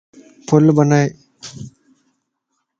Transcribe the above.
ڦل بنائي